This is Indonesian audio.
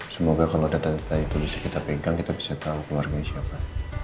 semoga kalau data data itu bisa kita pegang kita bisa tahu keluarganya siapa